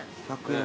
１００円。